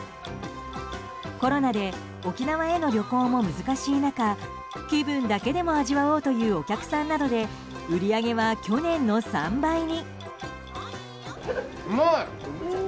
コロナで沖縄への旅行も難しい中気分だけでも味わおうというお客さんなどで売り上げは去年の３倍に。